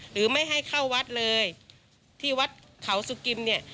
หรือไม่ให้เข้าวัดเลยที่วัดเขาสุกิมเนี่ย